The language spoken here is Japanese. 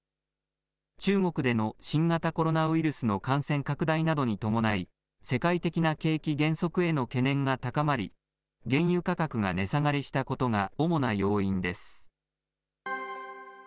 中国での新型コロナウイルスの感染拡大などに伴い、世界的な景気減速への懸念が高まり、原油価格が値下がりしたことが主な要因です。